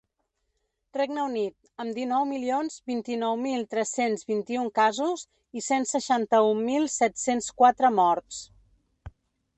Regne Unit, amb dinou milions vint-i-nou mil tres-cents vint-i-un casos i cent seixanta-un mil set-cents quatre morts.